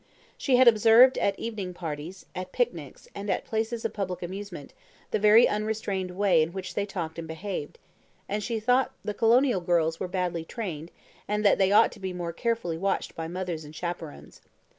She had observed at evening parties, at picnics, and at places of public amusement, the very unrestrained way in which they talked and behaved, and she thought the colonial girls were badly trained, and that they ought to be more carefully watched by mothers and chaperones.